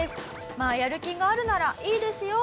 「まあやる気があるならいいですよ」。